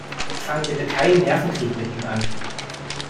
Fang bitte keinen Nervenkrieg mit ihm an.